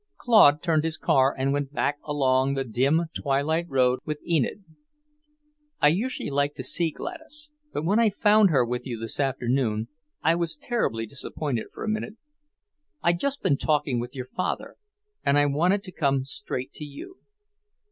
Claude turned his car and went back along the dim, twilight road with Enid. "I usually like to see Gladys, but when I found her with you this afternoon, I was terribly disappointed for a minute. I'd just been talking with your father, and I wanted to come straight to you.